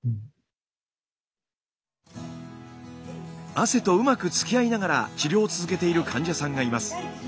汗とうまくつきあいながら治療を続けている患者さんがいます。